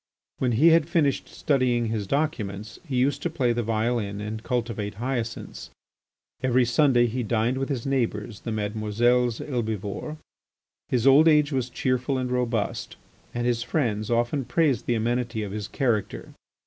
When he had finished studying his documents he used to play the violin and cultivate hyacinths. Every Sunday he dined with his neighbours the Mesdemoiselles Helbivore. His old age was cheerful and robust and his friends often praised the amenity of his character.